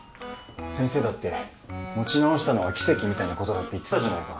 先生だって持ち直したのは奇跡みたいなことだって言ってたじゃないか。